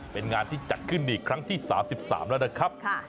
เป็นงานที่จัดขึ้นอีกครั้งที่๓๓แล้วนะครับ